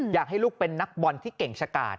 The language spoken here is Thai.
อยากให้ลูกเป็นนักบอลที่เก่งชะกาด